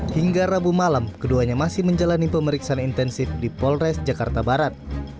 hingga rabu malam keduanya masih menjalani pemeriksaan intensif di polres jakarta barat